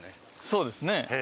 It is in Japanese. そうですね。